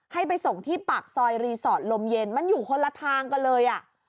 ให้ไปส่งที่ปากซอยรีสอร์ทลมเย็นมันอยู่คนละทางกันเลยอ่ะ